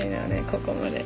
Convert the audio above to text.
ここまで。